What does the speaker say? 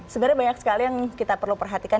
sebenarnya banyak sekali yang kita perlu perhatikan